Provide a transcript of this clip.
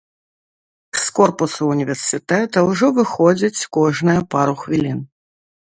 З корпусу ўніверсітэта ўжо выходзяць кожныя пару хвілін.